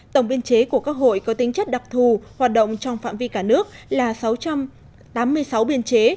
tổng biên chế của các hội có tính chất đặc thù hoạt động trong phạm vi cả nước là sáu trăm tám mươi sáu biên chế